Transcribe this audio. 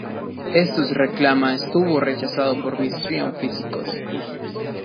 Estos reclama estuvo rechazado por mainstream físicos.